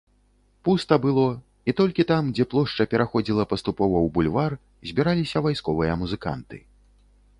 Пуста было, і толькі там, дзе плошча пераходзіла паступова ў бульвар, збіраліся вайсковыя музыканты.